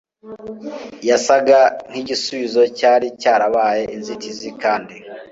yasaga nkigisubizo cyari cyarabaye inzitizi kandi